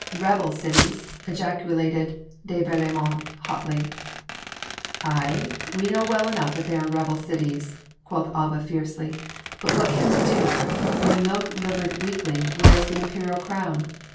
"Rebel cities!" ejaculated de Berlaymont hotly. "Aye! we know well enough that they are rebel cities," quoth Alva fiercely, "but what can we do, when a milk livered weakling wears the Imperial crown?